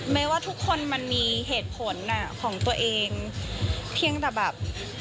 ว่าทุกคนมันมีเหตุผลของตัวเองเพียงแต่แบบ